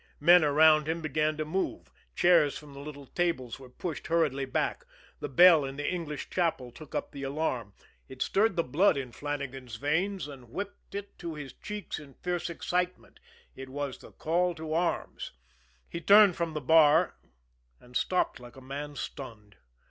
Men around him began to move. Chairs from the little tables were pushed hurriedly back. The bell in the English chapel took up the alarm. It stirred the blood in Flannagan's veins, and whipped it to his cheeks in fierce excitement it was the call to arms! He turned from the bar and stopped like a man stunned.